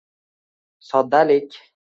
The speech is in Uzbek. Soddalik.